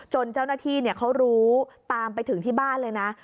เจ้าหน้าที่เขารู้ตามไปถึงที่บ้านเลยนะ